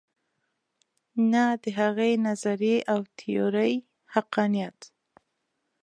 نه د هغې نظریې او تیورۍ حقانیت.